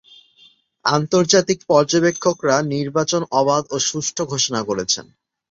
আন্তর্জাতিক পর্যবেক্ষকরা নির্বাচন অবাধ ও সুষ্ঠু ঘোষণা করেছেন।